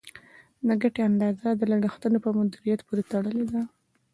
د ګټې اندازه د لګښتونو په مدیریت پورې تړلې ده.